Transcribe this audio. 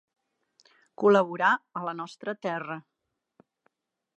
Col·laborà a La Nostra terra.